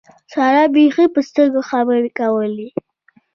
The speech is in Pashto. سارا بېخي په سترګو خبرې کولې.